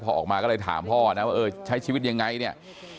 พอออกมาก็เลยถามพ่อนะว่าเออใช้ชีวิตยังไงเนี่ย